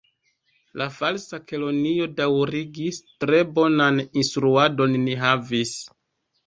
La Falsa Kelonio daŭrigis: "Tre bonan instruadon ni havis. »